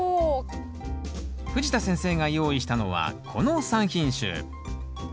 藤田先生が用意したのはこの３品種。